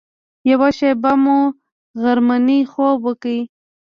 یوه شېبه مو غرمنۍ خوب وکړ.